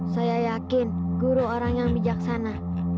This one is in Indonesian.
saya yakin guru orang yang bijaksana